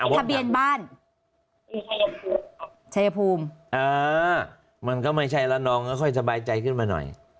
ทะเบียนบ้านชัยภูมิมันก็ไม่ใช่ละนองค่อยสบายใจขึ้นมาหน่อย